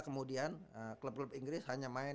kemudian klub klub inggris hanya main